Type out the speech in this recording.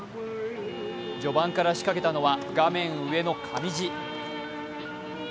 序盤から仕掛けたのは画面上の上地。